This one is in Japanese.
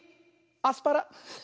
アスパラ。